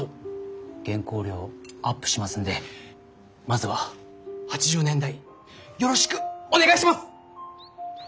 原稿料アップしますんでまずは８０年代よろしくお願いします！